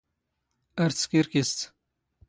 ⴰⵔ ⵜⵙⴽⵉⵔⴽⵉⵙⴷ.